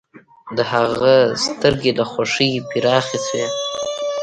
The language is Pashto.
د هغه سترګې له خوښۍ پراخې شوې